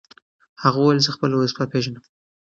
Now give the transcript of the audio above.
هغه وویل چې زه خپله وظیفه پېژنم.